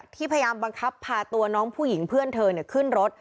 พยายามบังคับพาตัวน้องผู้หญิงเพื่อนเธอขึ้นรถ